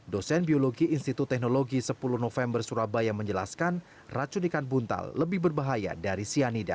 dosen biologi institut teknologi sepuluh november surabaya menjelaskan racun ikan buntal lebih berbahaya dari cyanida